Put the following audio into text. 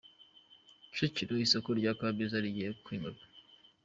Kicukiro Isoko rya Kabeza rigiye kwimurwa